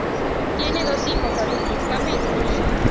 Tiene dos hijos adultos: Gabe y Colin.